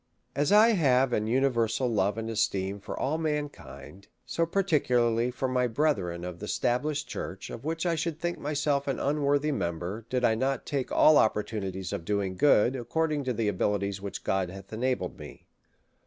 As I have an universal love and esteem for all mankind, so particnlarlj for my brethren of the esta blished church, of which I should think myself an un worthy member, did I not take all opportunities of doing g^ood, according to the abilities with which God has enabled me.